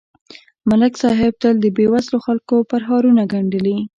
ملک صاحب تل د بېوزلو خلکو پرهارونه گنډلي